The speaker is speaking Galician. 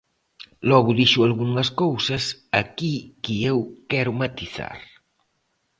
Logo dixo algunhas cousas aquí que eu quero matizar.